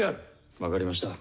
分かりました。